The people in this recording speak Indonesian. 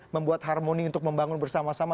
membuat harmoni untuk membangun bersama sama